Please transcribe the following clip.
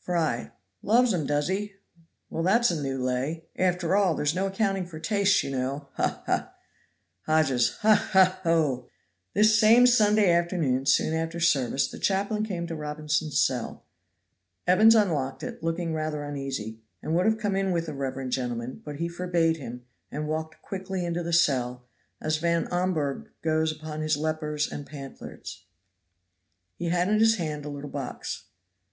Fry. Loves 'em, does he? Well, that's a new lay! After all, there's no accounting for tastes, you know. Haw! haw! Hodges. Haw! haw! ho! This same Sunday afternoon, soon after service, the chaplain came to Robinson's cell. Evans unlocked it, looking rather uneasy, and would have come in with the reverend gentleman; but he forbade him and walked quickly into the cell, as Van Amburgh goes among his leopards and panthers. He had in his hand a little box.